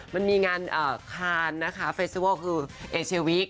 มันมีงานคานนะคะเฟซิโวลคือเอเชียวิก